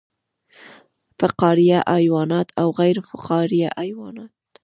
فقاریه حیوانات او غیر فقاریه حیوانات